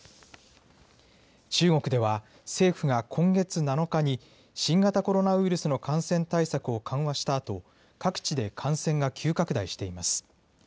中国では、政府が今月７日に、新型コロナウイルスの感染対策を緩和したあと、各地で感染が急拡大しています。